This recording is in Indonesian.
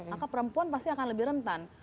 maka perempuan pasti akan lebih rentan